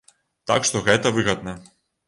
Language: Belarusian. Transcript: Так што гэта выгадна.